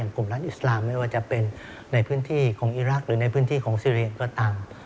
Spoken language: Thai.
กลุ่มรัฐอิสลามไม่ว่าจะเป็นในพื้นที่ของอีรักษ์หรือในพื้นที่ของซีเรียสก็ตาม